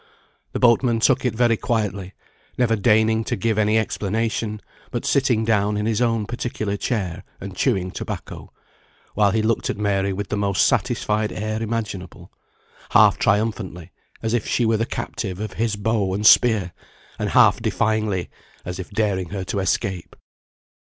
The boatman took it very quietly, never deigning to give any explanation, but sitting down in his own particular chair, and chewing tobacco, while he looked at Mary with the most satisfied air imaginable, half triumphantly, as if she were the captive of his bow and spear, and half defyingly, as if daring her to escape.